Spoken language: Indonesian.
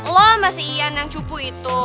lo mas si ian yang cupu itu